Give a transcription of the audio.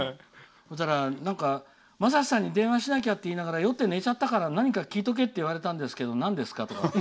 そうしたら、まさしさんに電話しなきゃって言いながら酔って寝ちゃったから何か聞いておけって言われたんだけどなんですかって。